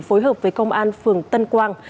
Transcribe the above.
phối hợp với công an phường tân quang